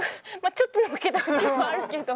ちょっとのっけた節はあるけど。